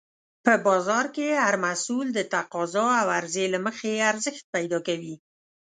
په بازار کې هر محصول د تقاضا او عرضې له مخې ارزښت پیدا کوي.